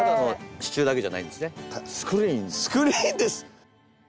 スクリーンです。